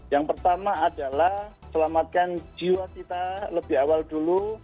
yang pertama adalah selamatkan jiwa kita lebih awal dulu